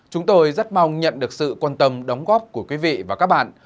chúng tôi rất mong nhận được sự quan tâm đóng góp của quý vị và các bạn